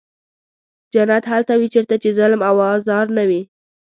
جنت هلته وي چېرته چې ظلم او آزار نه وي.